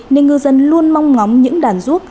nên ngư dân luôn mong ngóng những đàn ruốc